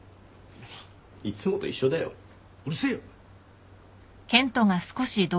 いつもと一緒だよ。うるせえよ。